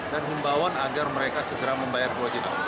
dan membawa agar mereka segera membayar kewajiban